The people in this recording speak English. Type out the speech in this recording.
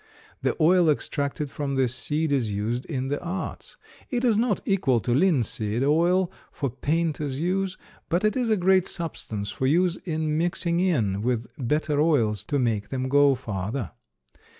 The oil extracted from this seed is used in the arts. It is not equal to linseed oil for painters' use, but it is a great substance for use in mixing in with better oils to make them go farther.